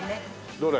どれ？